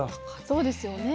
そうですよね。